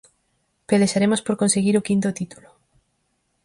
Pelexaremos por conseguir o quinto titulo.